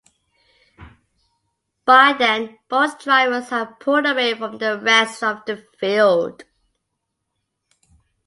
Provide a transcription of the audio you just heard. By then both drivers had pulled away from the rest of the field.